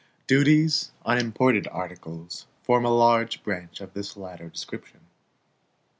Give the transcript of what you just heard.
Duties on imported articles form a large branch of this latter description.